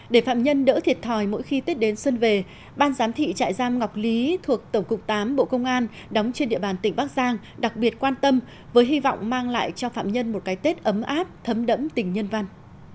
để phạm nhân đỡ thiệt thòi mỗi khi tết đến xuân về ban giám thị trại giam ngọc lý thuộc tổng cục tám bộ công an đóng trên địa bàn tỉnh bắc giang đặc biệt quan tâm với hy vọng mang lại cho phạm nhân một cái tết ấm áp thấm đẫm tình nhân văn